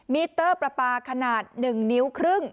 มิเตอร์ประปาขนาด๑นิ้วครึ่ง